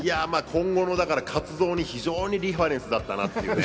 今後の活動に非常にリファレンスだった。